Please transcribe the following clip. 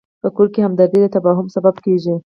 په کور کې همدردي د تفاهم سبب کېږي.